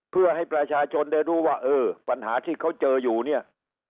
เพื่อให้ประชาชนได้รู้ว่าเออปัญหาที่เขาเจออยู่เนี่ย